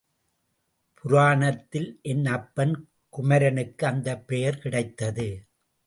புராணத்தில் என் அப்பன் குமரனுக்கு அந்தப் பெயர் கிடைத்தது!